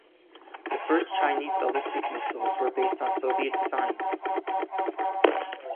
The first Chinese ballistic missiles were based on Soviet design.